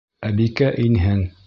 Ә Бикә инһен.